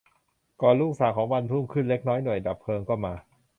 ก่อนรุ่งสางของวันรุ่งขึ้นเล็กน้อย หน่วยดับเพลิงก็มา